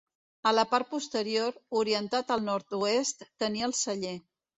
A la part posterior, orientat al nord-oest, tenia el celler.